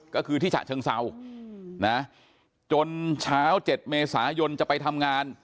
ก็คือที่ฉะเชิงเศร้านะจนเช้า๗เมษายนจะไปทำงาน